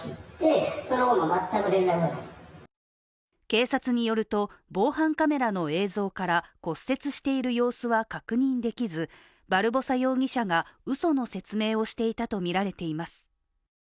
警察によると防犯カメラの映像から骨折している様子は確認できずバルボサ容疑者が嘘の説明をしていたとみられています。